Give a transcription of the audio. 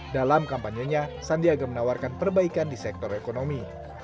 dalam kampanyenya sandiaga menawarkan perbaikan di sektor ekonomi